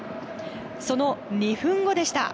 その２分後でした。